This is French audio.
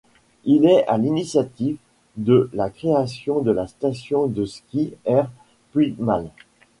Il est à l'initiative de la création de la station de ski Err-Puigmal.